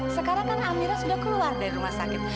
sekarang kan amira sudah keluar dari rumah sakit